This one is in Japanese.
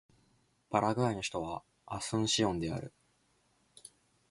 パラグアイの首都はアスンシオンである